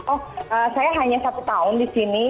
oh saya hanya satu tahun di sini